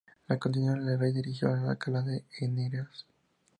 A continuación, el rey se dirigió a Alcalá de Henares.